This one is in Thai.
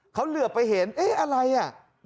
เขาเหลือไปเห็นเอ๊ะอะไรอ่ะ